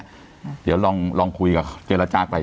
แล้วดิวะเดียวลองคุยกับเจรจากไป